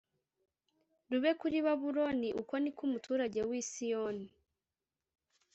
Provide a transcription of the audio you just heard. rube kuri Babuloni Uko ni ko umuturage w i Siyoni